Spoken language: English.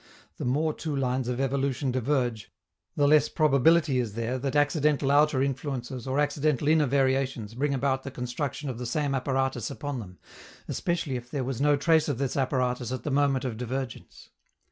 The more two lines of evolution diverge, the less probability is there that accidental outer influences or accidental inner variations bring about the construction of the same apparatus upon them, especially if there was no trace of this apparatus at the moment of divergence.